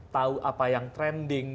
tahu apa yang trending